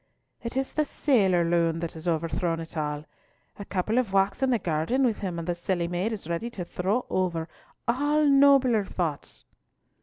"It is the sailor loon that has overthrown it all. A couple of walks in the garden with him, and the silly maid is ready to throw over all nobler thoughts."